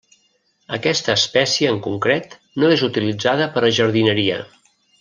Aquesta espècie en concret no és utilitzada per a jardineria.